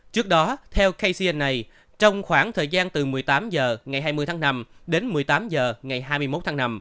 trước đó theo kcn này trong khoảng thời gian từ một mươi tám h ngày hai mươi tháng năm đến một mươi tám h ngày hai mươi một tháng năm